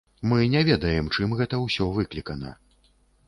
Мы не ведаем, чым гэта ўсё выклікана.